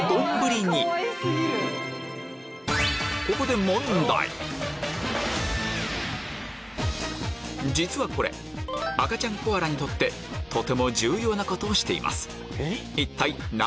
ここで実はこれ赤ちゃんコアラにとってとても重要なことをしています